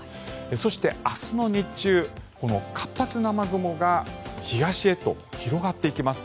そして、明日の日中この活発な雨雲が東へと広がっていきます。